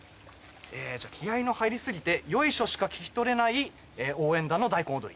じゃ気合の入りすぎてヨイショしか聞き取れない応援団の大根踊り。